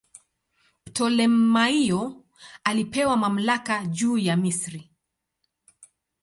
Ptolemaio alipewa mamlaka juu ya Misri.